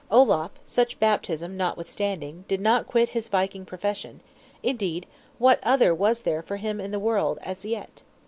Olaf such baptism notwithstanding, did not quit his viking profession; indeed, what other was there for him in the world as yet?